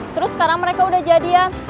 terus sekarang mereka udah jadian